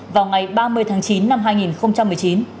vào ngày ba mươi tháng chín năm hai nghìn một mươi chín